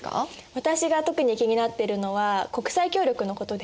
私が特に気になってるのは国際協力のことです。